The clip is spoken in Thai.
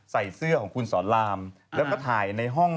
ใส่เสื้อของคุณสอนรามแล้วก็ถ่ายในห้อง